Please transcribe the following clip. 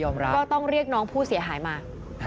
ก็ต้องเรียกน้องผู้เสียหายมา